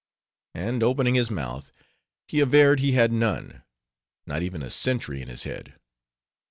And opening his mouth, he averred he had none; not even a sentry in his head.